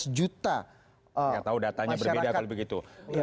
saya tidak tahu datanya berbeda kalau begitu